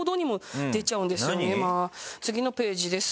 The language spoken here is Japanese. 次のページです。